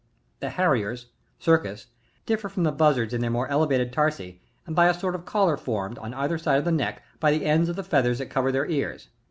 54. The Harriers. — Circust, — differ firom the Buzzards in their more elevated tarsi, and by a sort of collar formed, on each side of the neck, by the ends of the featha^s that cover their esurs.